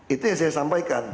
itu yang saya sampaikan